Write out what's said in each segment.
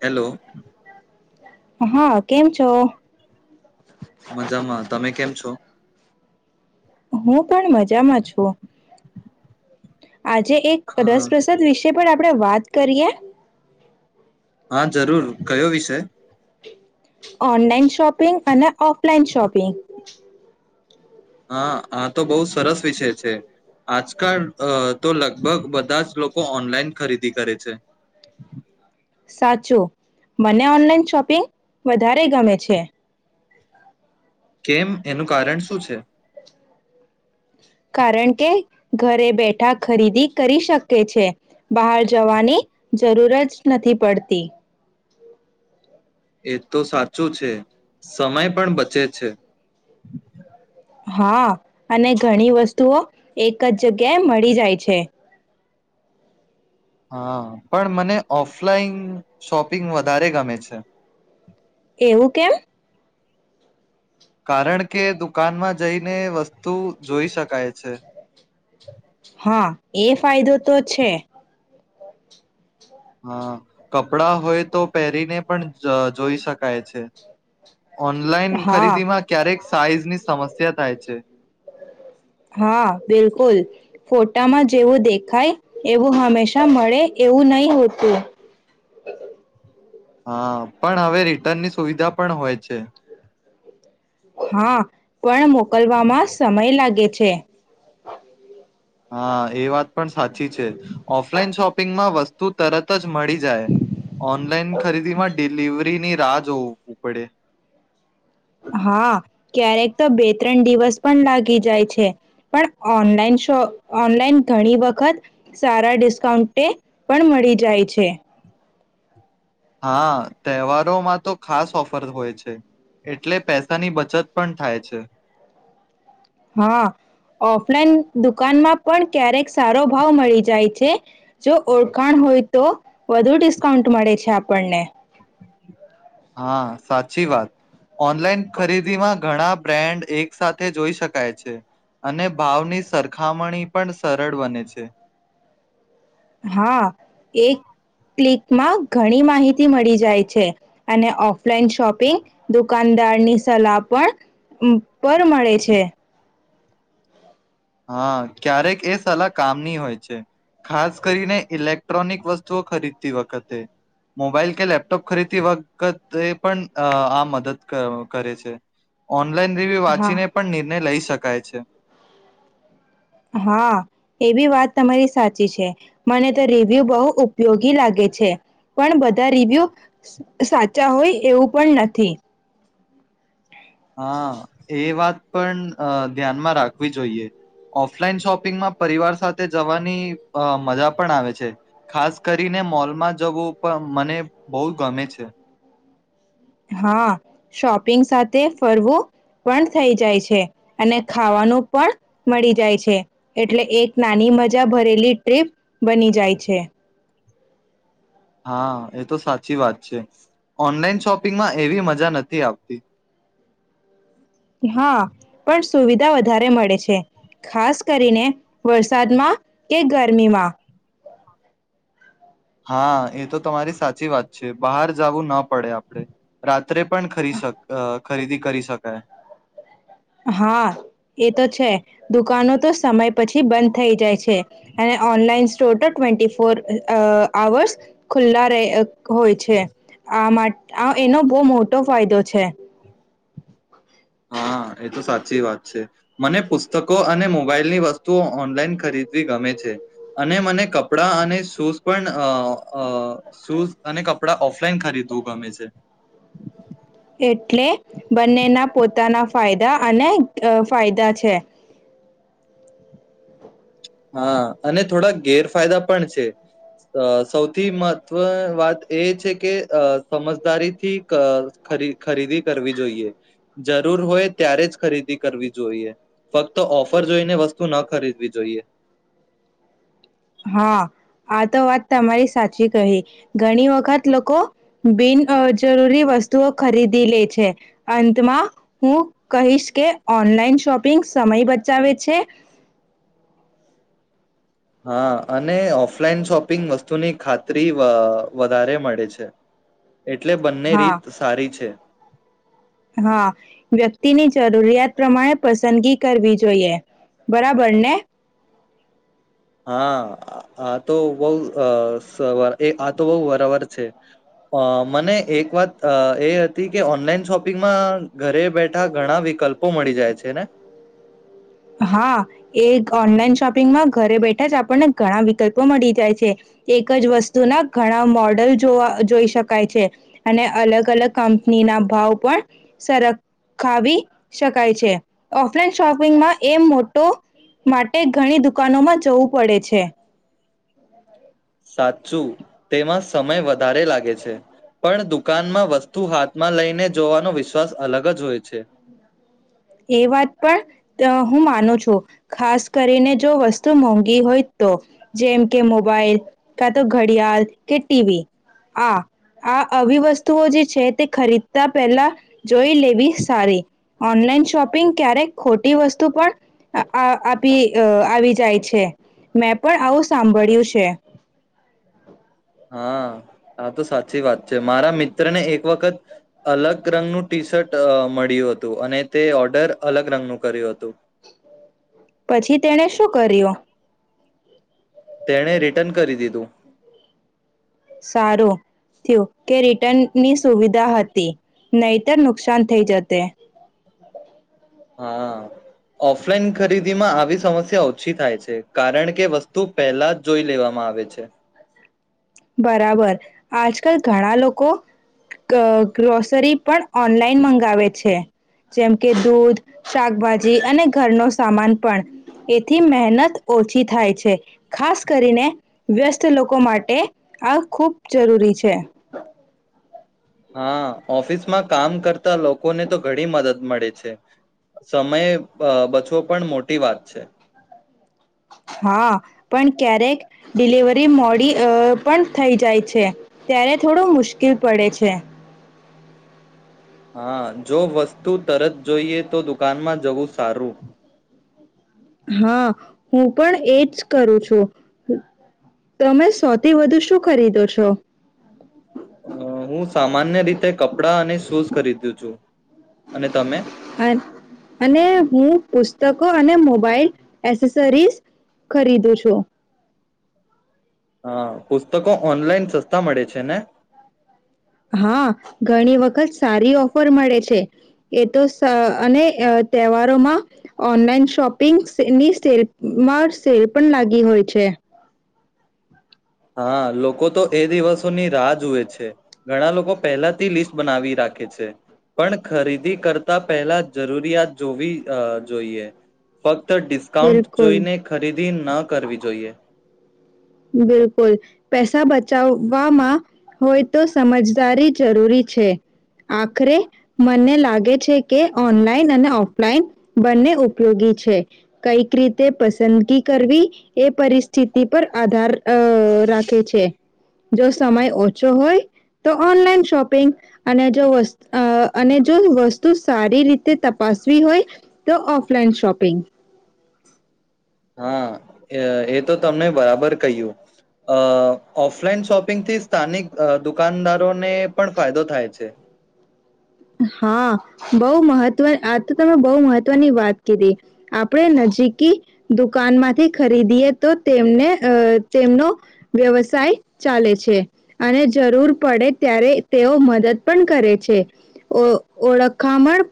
Hello. હા, કેમ છો? મજામાં તમે કેમ છો? હું પણ મજામાં છું. આજે એક અ રસપ્રસાદ વિષ પણ આપ આપડે વાત કરીયએ. હા, જરૂર કયો વિષય? ઓનલાઈન શોપ પિંગ અને ઓફલાઈન શોપિંગ. હા, આ તો બહુ સરસ વિષય છે. આજકાલ અહ તો લગભગ બધા જ લોકો ઓનલાઈન ખરીદી કરે છે. સાચું મને ઓનલાઈન શોપિંગ વધારે ગમે છે. કેમ એનું કારણ શું છે. કારણ કે ઘરે બેઠા ખરીદી કરી શકે છે બહાર જવાની જરૂર જ નથી પડતી. એ તો સાચું છે સમય પણ બચે છે. હા અને ઘણી વસ્તુઓ એક જ જગ્યાએ મળી જાય છે. હા પણ મને ઓફલાઈન શોપિંગ વધારે ગમે છે. એવું કેમ કારણ કે દુકાનમાં જઈને વસ્તુ જોઈ શકાય છે. હા એ ફાયદો તો છે. હા કપડા હોય તો પહેરીને પણ જોઈ શકાય છે. ઓનલાઈન હા ખરીદી માં ક્યારેક સાઈઝ ની સમસ્યા થાય છે. હા બિલકુલ ફોટામાં જેવું દેખાય એવું હંમેશા મળે એવું નહી હોતું. હા પણ હવે રિટર્નની સુવિધા પણ હોય છે. હા પણ મોકલવામાં સમય લાગે છે. હા એ વાત પણ સાચી છે ઓફલાઈન શોપિંગમાં વસ્તુ તરત જ જ ઓ ખ રાહ જોવ પડે. હા ક્યારેક તો બે ત્રણ દિવસ પણ લાગી જાય છે પણ ઓનલાઈન શો ઓનલાઈન ઘણી વખત સારા ડિસ્કાઉન્ટ પણ મળી જાય છે. હા તહેવારોમાં તો ખાસ ઓફર હોય છે એટલે પૈસાની બચત પણ થાય છે. હા ઓફલાઈન દુકાનમાં પણ ક્યારેક સારો ભાવ મળી જાય છે જો ઓળખાણ હોય તો વધુ ડિસ્કાઉન્ટ મળે છે આપણને. હા સાચી વાત ઓનલાઈન ખરીદીમાં ઘણા બ્રેાન્ડ એક સાથે જોઈ શકાય છે અને ભાવની સરખામણી પણ સરળ બને છે. હા એ ક્લિકમાં ઘણી માહિતી મળી જાય છે અને ઓફ ન શોપિંગ દુ કાનદાર ની સલાહ પણ અમ્મ પર મળે છે. હા, ક્યારેક એ સલાહ કામની હોય છે. ખાસ કરીને ઇલેક્ટ્રોનિક વસ્તુઓ ખરીદતી વખતે. મબાઈલ કે લેપટોપ ખરીદતી વખતે પણ અહ આ મદદ ક-કરે છે. ઓન લાઇન રિવ્યુ હા વાચીને પણ નિર્ણય લઈશ શકાય છે. હા, એવી વાત તમારી સાચી છે. મને તો રિવ્યુ બહુ ઉપયોગી લાગે છે. પણ બધા રિવ્યુ સ-સાચા હોય એવું પણ નથી. હા એ વાત પણ અહ ધ્યાનમાં રાખવી જોઈએ ઓફલાઈન શોપિંગમાં પરિવાર સાથે જવાની અહ મજા પણ આવે છે, ખાસ કરીને મોલમાં જવું પ મને બહુ ગમે છે. હા, શોપિંગ સાથે ફરવું પણ થઈ જાય છે અને ખાવાનું પણ મળી જાય છે. એટલે એક નાની મજા ભરેલી ટ્રીપ બની જાય છે. હા, એ તો સાચી વાત છે. ઓનલાઈન શોપિંગમાં એવી મજા નથી આવતી. હા, પણ સુવિધા વધારે મળે છે. ખાસ કરીને વરસાદમાં કે ગરમીમાં. હા એ તો તમારી સાચી વાત છે. બહાર જાવું ના પડે આપડ. રા ત્રે પણ ખરી શક અહ ખરીદી કરી શકાય. હા, એ તો છે દુકાનો તો સમય પછી બંધ થઈ જાય છે અને ઓનલાઈનસ તોટો ટ્વેન્ટી ફોર અહ આવર્સ ખુલ્લા રહે અક હોય છે. આ માટ આ એનો બહુ મોટો ફાયદો છે. હા, એ તો સાચી વાત છે. મને પુસ્તકો અને મોબાઈલની વસ્તુઓ ઓનલાઈન ખરીદવી ગમે છે. અને મને કપડાં અને શૂઝ પણ અહ અહ શૂઝ અને કપડા ઓફલાઈન ખરીદવું ગમે છે. એટલે બંનેના પોતાના ફાયદા અને અહ ફાયદા છે. હા અને થોડા ગેરફાયદા પણ છે. અહ સૌથી મહત્વ વાત એ છે કે અહ સમજદારીથી કઅ ખ-ખરીદી કરવી જોઈએ. જરૂર હોય ત્યારે જ ખરીદી કરવી જોઈએ. ફક્ત ઓફર જોઈને વસ્તુ ન ખરીદવી જોઈએ. હા આ તો વાત તમારી સાચી કહી ઘણી વખત લોકો બિનજરૂરી વસ્તુઓ ખરીદી લે છે અંતમાં હું કહીશ કે ઓનલાઈન શોપિંગ સમય બચાવે છે. હા અને ઓફલાઈન શોપિંગ વસ્તુની ખાતરી વધારે મળે છે. એટલે બંને હા રીત સારી છે. હા વ્યક્તિની જરૂરિયાત પ્રમાણે પસંદગી કરવી જોઈએ બરાબર ને. હા આ તો બહુ આ તો બહ બરાબર છે મને એક વાત એ હતી કે ઓનલાઈન શોપિંગમાં ઘરે બેઠા ઘણા વિકલ્પો મળી જાય છે ને હા એ ઓનલાઈન શોપિંગમાં ઘરે બેઠા જ આપણને ઘણા વિકલ્પો મળી જાય છે એક જ વસ્તુના ઘણા મોડલ જોવા જોઈ શકાય છે અને અલગ અલગ કંપની ના ભાવ પણ સરખાવી શકાય છે ઓફલાઈન શોપિંગમાં એ મોટો માટે ઘણી દુકાનોમાં જવું પડે છે. સાચું તેમાં સમય વધ વધારે લાગે છે પણ દુકાનમાં વસ્તુ હાથમાં લઈને જોવાનો વિશ્વાસ અલગ જ હોય છે. એ વાત પણ હું માનું છું ખાસ કરીને જો વસ્તુ મોંઘી હોય તો જેમ કે મોબાઈલ કા તો ઘડિયાળ કે ટીવી આ આ આવી વસ્તુઓ જે છે તે ખરીદતા પહેલા જોઈ લેવી સારી ઓનલાઈન શોપિંગ ક્યારેક ખોટી વસ્તુ પણ આપી આવી જાય છે મેં પણ આવું સાંભળ્યું છે. હા આ તો સાચી વાત છે મારા મિત્ર ને એક વખત અલગ રંગનું ટી શર્ટ મળ્યું હતું અને તે ઓર્ડર અલગ રંગનું કર્યું હતું. પછી તેને શું કર્યો. તેણે રિટર્ન કરી દીધું. સારું થયું કે રિટર્નની સુવિધા હતી નહીતર નુકસાન થઈ જશે. હા. ઓફલાઈન ખરીદીમાં આવી સમસ્યા ઓછી થાય છે કારણ કે વસ્તુ પહેલા જ જોઈ લેવામાં આવે છે. બરાબર આજકાલ ઘણા લોકો ગ્રોસરી પણ ઓનલાઈન મંગાવે છે જેમ કે દૂધ શાકભાજી અને ઘરનો સામાન પણ એથી મહેનત ઓછી થાય છે ખાસ કરીને વ્યસ્ત લોકો માટે આ ખૂબ જરૂરી છે. હા ઓફિસમાં કામ કરતા લોકોને તો ઘણી મદદ મળે છે સમય બચવો પણ મોટી વાત છે. હા પણ ક્યારેક ડિલિવરી મોડી પણ થઈ જાય છે ત્યારે થોડું મુશ્કેલ પડે છે. હા જો વસ્તુ તરત જોઈએ તો દુકાનમાં જવું સારું. હા હું પણ એજ કરું છું તમે સૌથી વધુ શું ખરીદો છો. અ હું સામાન્ય રીતે કપડાં અને શૂઝ ખરીદુ છું. અને તમે અને હું પુસ્તક અને મોબાઈલ એસેસરીસ ખરીદું છું. હા પુસ્તકો ઓનલાઈન સસ્તા મળે છે ને. હા ઘણી વખત સારી ઓફર મળે છે એ તો અને તહેવારોમાં ઓનલાઈન શોપિંગની સેલમાં સેલ પણ લાગી હોય છે. હા લોકો તો એ દિવસોની રાહ જોુએ છે ઘણા લોકો પહેલાથી લિસ્ટ બનાવી રાખે છે પણ ખરીદી કરતા પહેલા જરૂરિયાત જોવી જોઈએ ફક્ત. ડિસ્કાઉન્ટ બિલકુલ. જોઈને ખરીદી ન કરવી જોઈએ. બિલકુલ પૈસા બચાવવામાં હોય તો સમજદારી જરૂરી છે આખરે મને લાગે છે કે ઓનલાઈન અને ઓફલાઈન બંને ઉપયોગી છે કઈક રીતે પસંદગી કરવી એ પરિસ્થિતિ પર આધાર રાખે છે જો સમય ઓછો હોય તો ઓનલાઈન શોપિંગ અને જો અને જો વસ્તુ સારી રીતે તપાસવી હોય તો ઓફલાઈન શોપિંગ હા એ તો તમને બરાબર કહ્યું ઓફલાઈન શોપિંગ થી સ્થાનિક દુકાનદારોને પણ ફાયદો થાય છે. હા બહ મહત્વ આ તો તમે બહુ મહત્વની વાત કીધી આપણે નજીકી દુકાનમાંથી ખરીદીએ તો તેમને તેમનો વ્યવસાય ચાલે છે અને જરૂર પડે ત્યારે તેઓ મદદ પણ કરે છે. ઓળખામણ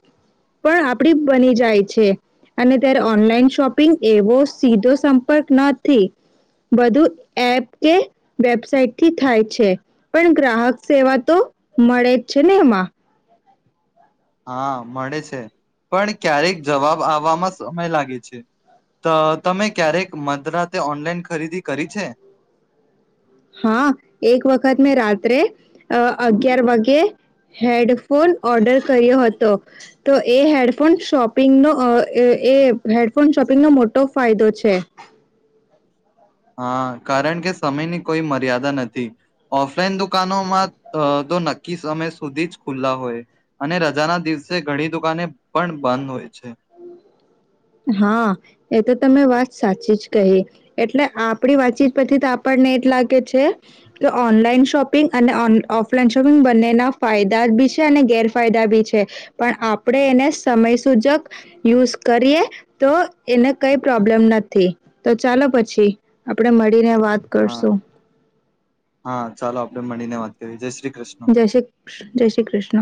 પણ આપડી બની જાય છે અને ત્યારે ઓનલાઈન શોપિંગ એવો સીધો સંપર્ક નથી બધું એપ કે વેબસાઇટથી થાય છે પણ ગ્રાહક સેવા તો મળે જ છે ને એમાં હા મળે છે પણ ક્યારેક જવાબ આવવામાં સમય લાગે છે તો તમે ક્યારેક મદરાતે ઓનલાઈન ખરીદી કરી છે. હા એક વખત મેં રાત રાે અગયાર વાગે હેડફોન ઓર્ડર કર્યો હતો તો એ હેડફોન શોપિંગનો એ હેડફોન શોપિંગનો મોટો ફાયદો છે. હા કારણ કે સમયની કોઈ મર્યાદા નથી ઓફલાઈન દ દુકનોત દો નાખ કી સમય સુધીજ ખુલ્લા હોય અને રજા ના દિવસે ઘણી દુકાને પણ બંધ હોય છે. હા, એ તો તમે વાત સાચી જ કહી. એટલે આપણી વાતચીત પરથી તો આપણને એ જ લાગે છે, કે ઓનલાઈન શોપિંગ અને ઓન ઓફલાઈન શોપિંગ બંનેના ફાયદા બી છે અને ગેરફાયદા બી છે. પણ આપણે એને સમયસૂજક યુઝ કરીએ તો એને કઈ પ્રોબ્લેમ નથી. તો ચાલો પછી આપણે મળ હા, હા, ચાલો આપણે મળીને વાત એ જેસ જય શ્રી કૃષ. જય શ્રી કૃષ્ણ.